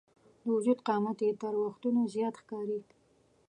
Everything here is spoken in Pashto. د وجود قامت یې تر وختونو زیات ښکاري.